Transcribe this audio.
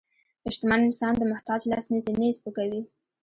شتمن انسان د محتاج لاس نیسي، نه یې سپکوي.